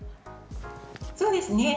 そうですね。